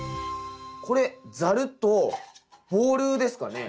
これザルとボウルですかね。